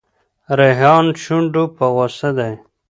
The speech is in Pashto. ریحان شونډو په غوسه دی.